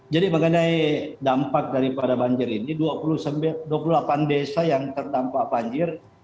jadi mengenai dampak daripada banjir ini dua puluh delapan desa yang terdampak banjir